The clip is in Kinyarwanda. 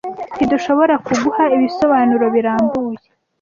Ntidushobora kuguha ibisobanuro birambuye